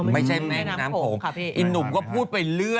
ไม่ใช่แม่น้ำโขงอีหนุ่มก็พูดไปเรื่อย